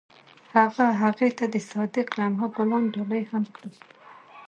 هغه هغې ته د صادق لمحه ګلان ډالۍ هم کړل.